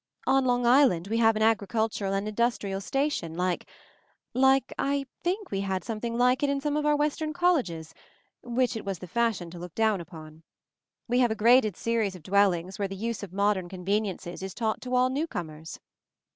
"On Long Island we have agricultural and industrial stations like — like — I think we had some thing like it in some of our Western colleges, which it was the fashion to look down upon. We have a graded series of dwellings where the use of modern conveniences is taught to all newcomers."